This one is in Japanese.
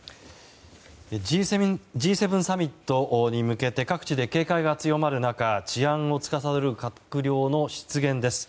Ｇ７サミットに向けて各地で警戒が強まる中治安を司る閣僚の失言です。